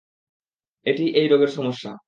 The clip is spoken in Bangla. এটাই এই রোগের সমস্যা।